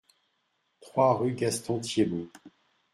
trois rue Gaston Thiebaut